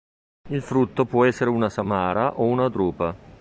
Il frutto può essere una samara o una drupa.